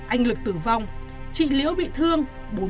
anh lực tử vong chị liễu bị thương